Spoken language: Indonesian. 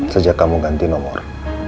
sejak kamu ganti nomor